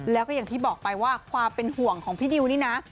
แล้วก็อย่างที่บอกไปว่าความเป็นห่วงของพี่ดิวนี่นะ